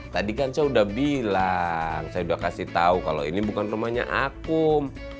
tadi kan saya udah bilang saya sudah kasih tahu kalau ini bukan rumahnya akum